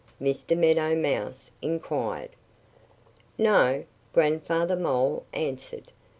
Mr. Meadow Mouse inquired. "No!" Grandfather Mole answered.